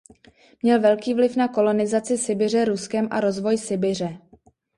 Měl velký vliv na kolonizaci Sibiře Ruskem a rozvoj Sibiře.